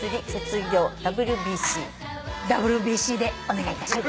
「ＷＢＣ」でお願いいたします。